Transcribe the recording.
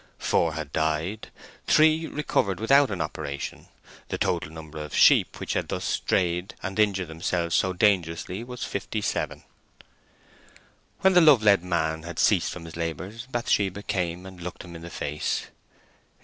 Four had died; three recovered without an operation. The total number of sheep which had thus strayed and injured themselves so dangerously was fifty seven. When the love led man had ceased from his labours, Bathsheba came and looked him in the face.